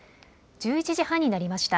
１１時半になりました。